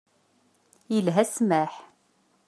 Yelha ssmaḥ.